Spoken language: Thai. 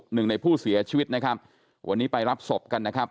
หนึ่งในผู้เสียชีวิตนะครับวันนี้ไปรับศพกันนะครับ